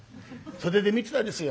袖で見てたんですよ